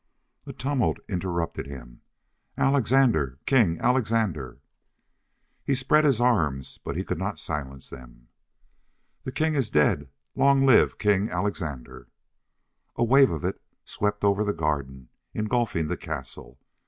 A tumult interrupted him. "Alexandre! King Alexandre!" He spread his arms, but he could not silence them. "The king is dead. Long live King Alexandre!" A wave of it swept over the garden, engulfing the castle.